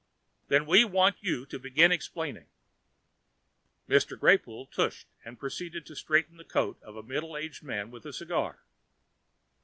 "Then we want you to begin explaining." Mr. Greypoole tushed and proceeded to straighten the coat of a middle aged man with a cigar.